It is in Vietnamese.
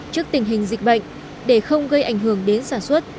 trước tình hình dịch bệnh để không gây ảnh hưởng đến sản xuất